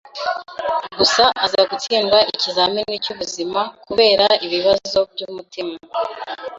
gusa aza gutsindwa ikizamini cy'ubuzima kubera ibibazo by'umutima